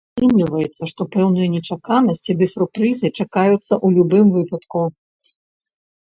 Атрымліваецца, што пэўныя нечаканасці ды сюрпрызы чакаюць у любым выпадку.